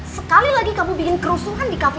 sekali lagi kamu bikin kerusuhan di cafe saya